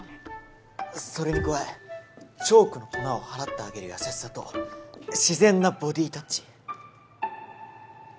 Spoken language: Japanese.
それに加えチョークの粉をはらってあげる優しさと自然なボディータッチ。